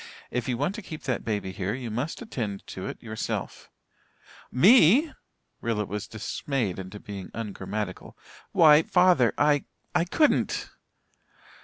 If you want to keep that baby here you must attend to it yourself." "Me!" Rilla was dismayed into being ungrammatical. "Why father I I couldn't!"